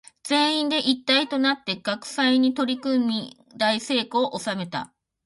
全員で一体となって学祭に取り組み大成功を収めた。